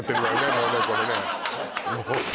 もうねこれね